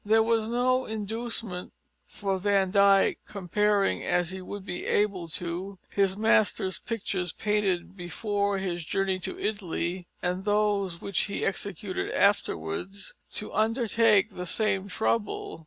There was no inducement for Van Dyck, comparing, as he would be able to, his master's pictures painted before his journey to Italy and those which he executed afterwards, to undertake the same trouble.